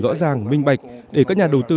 rõ ràng minh bạch để các nhà đầu tư